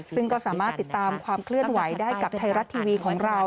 ซึ่งก็สามารถติดตามความเคลื่อนไหวได้กับไทยรัฐทีวีของเรา